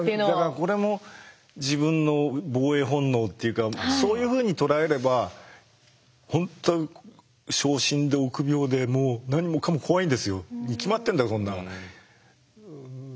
これも自分の防衛本能っていうかそういうふうに捉えれば本当小心で臆病で何もかも怖いんですよ。に決まってんだそんなん。